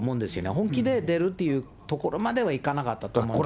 本気で出るというところまではいかなかったと思うんですね。